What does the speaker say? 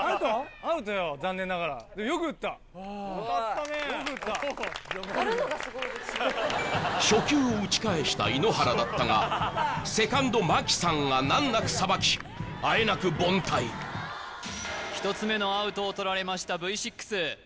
アウトよ残念ながらでも初球を打ち返した井ノ原だったがセカンドマキさんが難なくさばきあえなく凡退１つ目のアウトをとられましたＶ６